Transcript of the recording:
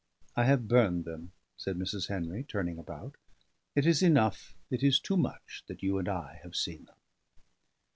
"I have burned them," said Mrs. Henry, turning about. "It is enough, it is too much, that you and I have seen them."